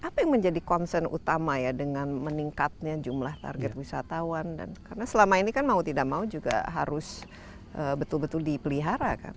apa yang menjadi concern utama ya dengan meningkatnya jumlah target wisatawan dan karena selama ini kan mau tidak mau juga harus betul betul dipelihara kan